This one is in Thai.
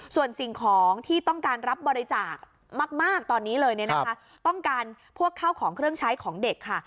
ส่วนสิ่งของที่ต้องการรับบริจาคมากตอนนี้เลยเนี่ยนะคะต้องการพวกข้าวของเครื่องใช้ของเด็กค่ะ